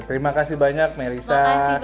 terima kasih banyak melisa